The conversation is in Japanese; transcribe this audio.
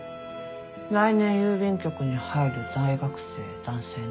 来年郵便局に入る大学生男性ね。